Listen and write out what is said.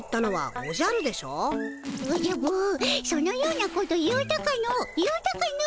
おじゃぶそのようなこと言うたかの言うたかの。